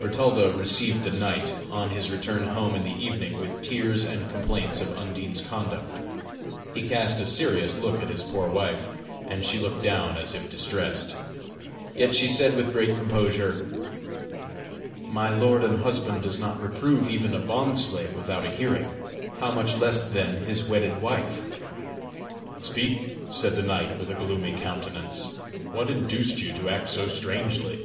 Bertalda received the knight, on his return home in the evening, with tears and complaints of Undine's conduct. He cast a serious look at his poor wife, and she looked down as if distressed. Yet she said with great composure: "My lord and husband does not reprove even a bondslave without a hearing, how much less then, his wedded wife?" "Speak," said the knight with a gloomy countenance, "what induced you to act so strangely?"